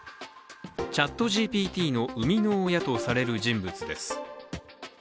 ＣｈａｔＧＰＴの生みの親とされる人物です。